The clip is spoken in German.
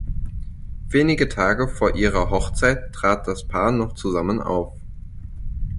Wenige Tage vor ihrer Hochzeit trat das Paar noch zusammen auf.